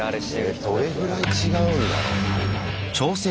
えどれぐらい違うんだろうな。